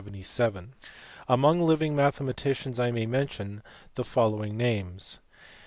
Among living mathematicians 1 may mention the following names.